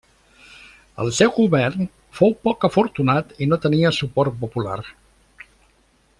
El seu govern fou poc afortunat i no tenia suport popular.